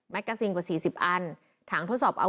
แมกกาซิงกว่า๔๐อัน